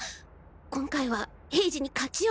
今回は平次に勝ちを。